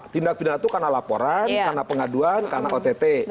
tindak pidana itu karena laporan karena pengaduan karena ott